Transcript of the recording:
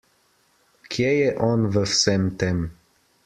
Kje je on v vsem tem?